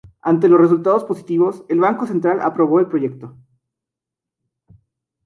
Ante los resultados positivos, el Banco Central aprobó el proyecto.